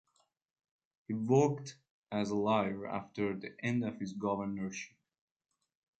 He worked as a lawyer after the end of his governorship.